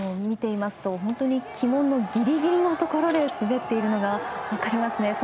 見ていますと、旗門のギリギリのところで滑っているのが分かりますね。